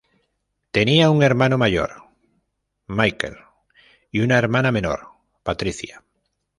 Tenía un hermano mayor, Michael, y una hermana menor, Patricia.